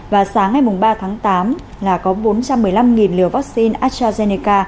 và sáng ngày ba tháng tám là có bốn trăm một mươi năm liều vaccine astrazeneca